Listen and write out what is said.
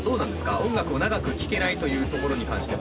音楽を長く聴けないというところに関しては。